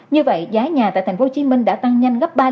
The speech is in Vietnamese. như vậy giá nhà tại tp hcm đã tăng nhanh gấp ba mươi